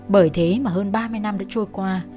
bởi thế mà hơn ba mươi năm đã trôi qua